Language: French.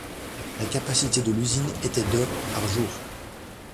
La capacité de l'usine était de par jour.